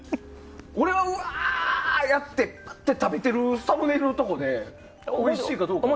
俺はうわーやって食べてるサムネイルのところでおいしいかどうかを。